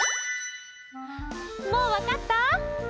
もうわかった？